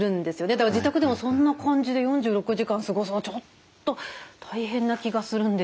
だから自宅でもそんな感じで４６時間過ごすのちょっと大変な気がするんですけど。